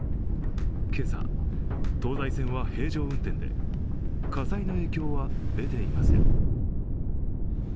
今朝、東西線は平常運転で火災の影響は出ていません。